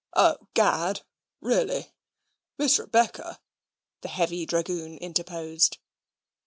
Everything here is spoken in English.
"O Gad really Miss Rebecca," the heavy dragoon interposed.